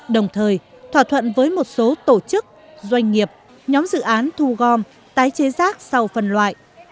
đồng thời thỏa thuận với một số tổ chức doanh nghiệp nhóm dự án thu gom tái chế rác sau phần loại